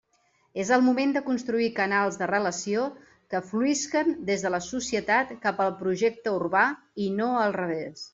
És el moment de construir canals de relació que fluïsquen des de la societat cap al projecte urbà i no al revés.